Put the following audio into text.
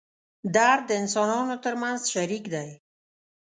درد د انسانانو تر منځ شریک دی.